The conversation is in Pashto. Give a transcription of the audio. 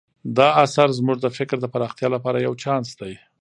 دا اثر زموږ د فکر د پراختیا لپاره یو چانس دی.